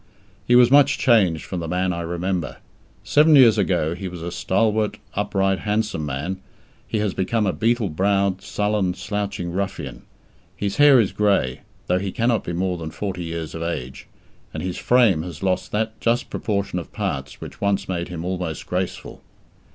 He was much changed from the man I remember. Seven years ago he was a stalwart, upright, handsome man. He has become a beetle browed, sullen, slouching ruffian. His hair is grey, though he cannot be more than forty years of age, and his frame has lost that just proportion of parts which once made him almost graceful.